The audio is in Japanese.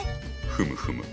ふむふむ。